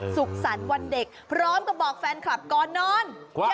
สุขสรรค์วันเด็กพร้อมกับบอกแฟนคลับก่อนนอน